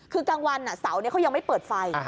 คือกลางวันเสาร์เขายังไม่เปิดไฟ